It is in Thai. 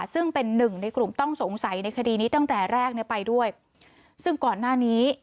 ซึ่งเป็นหนึ่งในกลุ่มต้องสงสัยในคดีนี้ตั้งแต่แรกเนี่ยไปด้วยซึ่งก่อนหน้านี้